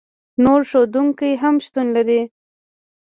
نور ښودونکي هم شتون لري.